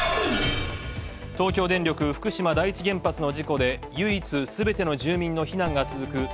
東京電力福島第一原発の事故で唯一、すべての住民の避難が続く